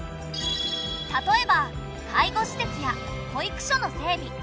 例えば介護施設や保育所の整備